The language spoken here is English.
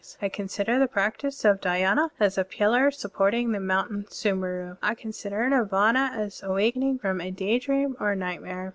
I consider the prac tice of DhyS.na as a pillar supporting the Mount Stmieru. I consider NirvS.na as awakening from a day dream or nightmare.